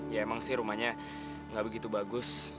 ya emang sih rumahnya nggak begitu bagus